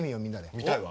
見たいわ。